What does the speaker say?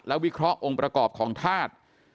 วิเคราะห์องค์ประกอบของธาตุ